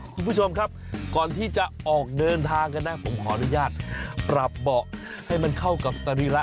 คุณผู้ชมครับก่อนที่จะออกเดินทางกันนะผมขออนุญาตปรับเบาะให้มันเข้ากับสรีระ